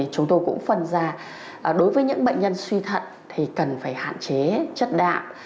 chúng tôi cũng phân ra đối với những bệnh nhân suy thận thì cần phải hạn chế chất đạo